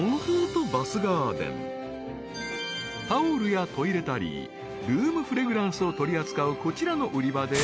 ［タオルやトイレタリールームフレグランスを取り扱うこちらの売り場で］